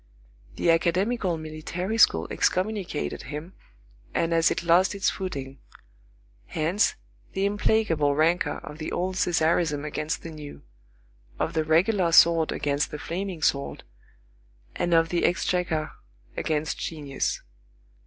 The academical military school excommunicated him, and as it lost its footing; hence, the implacable rancor of the old Cæsarism against the new; of the regular sword against the flaming sword; and of the exchequer against genius.